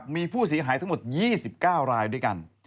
มีผู้เสียหายทั้งหมด๒๙รายด้วยกัน